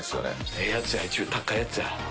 ええやつや高いやつや。